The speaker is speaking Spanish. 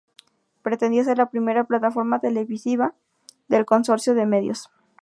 Pretendía ser la primera plataforma televisiva del consorcio de medios.